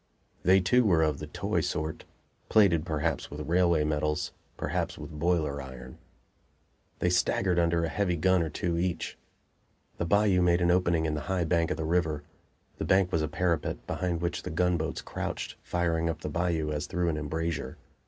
They too were of the toy sort, plated perhaps with railway metals, perhaps with boiler iron. They staggered under a heavy gun or two each. The bayou made an opening in the high bank of the river. The bank was a parapet, behind which the gunboats crouched, firing up the bayou as through an embrasure.